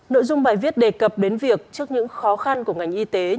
nội dung bài viết đề cập đến việc trước những khó khăn của ngành y tế